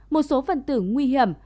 một số phần tử nguy hiểm